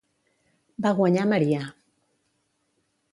Va guanyar Maria.